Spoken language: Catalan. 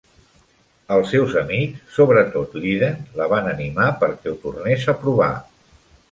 Els seus amics, sobretot l'Eden, la van animar perquè ho tornés a provar.